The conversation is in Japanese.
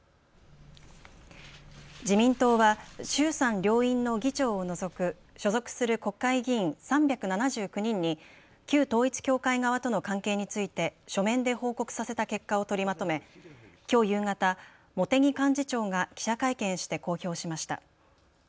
自民党は衆参両院の議長を除く所属する国会議員３７９人に旧統一教会側との関係について書面で報告させた結果を取りまとめ、きょう夕方、茂木幹事長が記者会見して公表しました。